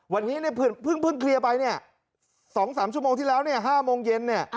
วันนี้พึ่งเคลียร์ไป๒๓ชั่วโมงที่แล้ว๕โมงเย็น